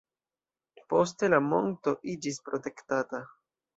Poste la monto iĝis protektata.